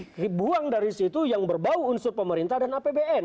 yang dibuang dari situ yang berbau unsur pemerintah dan apbn